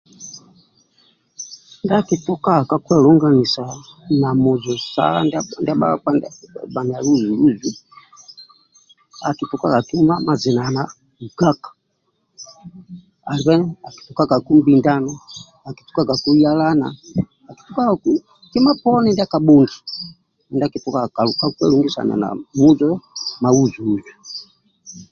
Ndia akitukaga ka kwelungisana na mujo sa ndia bhakpa bhanaluzuzu akituka kima mazinana ukaka alibe akitugaku mbindano zalitugaku yalana akitukagubkima poni ndia kabhongi ndia akitukaga ka kwelungisana na ma luzuzu